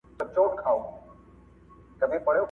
که ته د دې خبرو دغو خولو نه یرېدلې